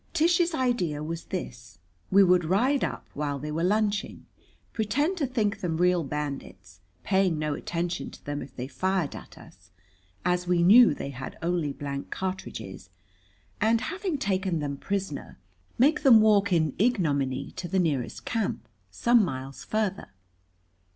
Tish's idea was this: We would ride up while they were lunching, pretend to think them real bandits, paying no attention to them if they fired at us, as we knew they had only blank cartridges, and, having taken them prisoners, make them walk in ignominy to the nearest camp, some miles farther.